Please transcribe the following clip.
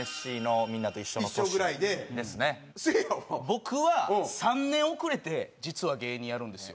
僕は３年遅れて実は芸人やるんですよ。